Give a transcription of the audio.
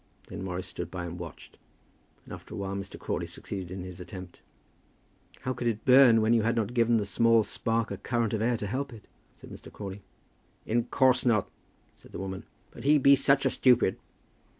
Then Morris stood by and watched, and after a while Mr. Crawley succeeded in his attempt. "How could it burn when you had not given the small spark a current of air to help it?" said Mr. Crawley. "In course not," said the woman, "but he be such a stupid."